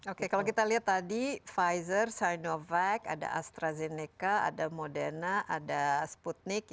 oke kalau kita lihat tadi pfizer sinovac ada astrazeneca ada moderna ada sputnik